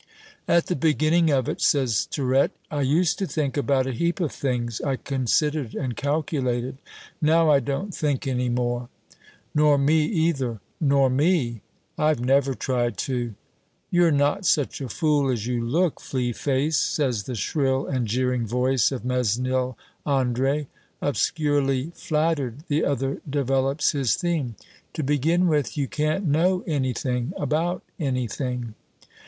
"At the beginning of it," says Tirette, "I used to think about a heap of things. I considered and calculated. Now, I don't think any more." "Nor me either." "Nor me." "I've never tried to." "You're not such a fool as you look, flea face," says the shrill and jeering voice of Mesnil Andre. Obscurely flattered, the other develops his theme "To begin with, you can't know anything about anything."